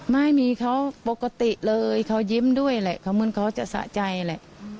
ไม่มีเขาปกติเลยเขายิ้มด้วยแหละเขาเหมือนเขาจะสะใจแหละ